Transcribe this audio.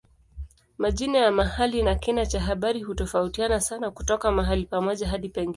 Majina ya mahali na kina cha habari hutofautiana sana kutoka mahali pamoja hadi pengine.